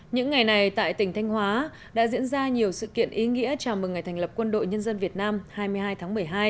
những ngày này tại tỉnh thanh hóa đã diễn ra nhiều sự kiện ý nghĩa chào mừng ngày thành lập quân đội nhân dân việt nam hai mươi hai tháng một mươi hai